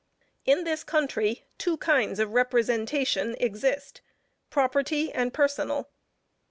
In this country, two kinds of representation exist, property and personal.